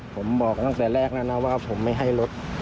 ผมบอกตั้งแต่แรกแล้วนะว่าผมไม่ให้รถ